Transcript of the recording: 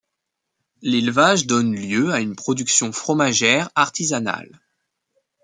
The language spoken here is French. L'élevage donne lieu à une production fromagère artisanale.